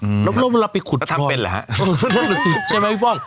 อืมเริ่มเริ่มเราไปขุดพลอยแล้วทำเป็นเหรอฮะใช่ไหมพี่ป้อม